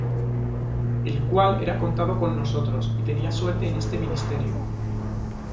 El cuál era contado con nosotros, y tenía suerte en este ministerio.